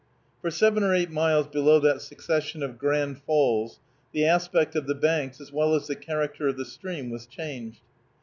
For seven or eight miles below that succession of "Grand" falls, the aspect of the banks as well as the character of the stream was changed.